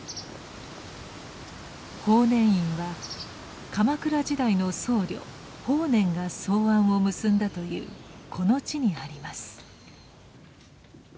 法然院は鎌倉時代の僧侶・法然が草庵を結んだというこの地にあります。